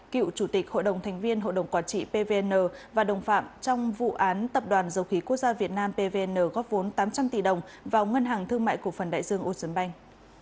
cựu chủ tịch hội đồng thành viên hội đồng quản trị pvn và đồng phạm trong vụ án tập đoàn dầu khí quốc gia việt nam pvn góp vốn tám trăm linh tỷ đồng vào ngân hàng thương mại cổ phần đại dương ocean bank